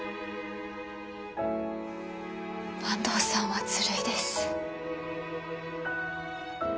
坂東さんはずるいです。